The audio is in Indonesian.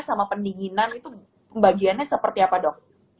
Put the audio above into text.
sama pendinginan itu bagiannya seperti apa dong